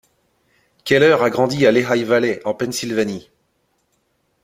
Keller a grandi à Lehigh Valley, en Pennsylvanie.